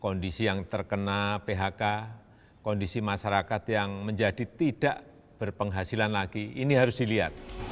kondisi yang terkena phk kondisi masyarakat yang menjadi tidak berpenghasilan lagi ini harus dilihat